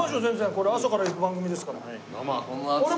これ朝からいく番組ですから。